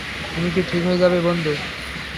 তুমি ঠিক হয়ে যাবে বন্ধু।